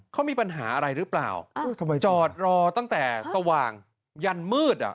เขามีปัญหาอะไรหรือเปล่าทำไมจอดรอตั้งแต่สว่างยันมืดอ่ะ